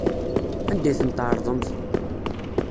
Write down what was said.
Anda ay ten-tɛerḍemt?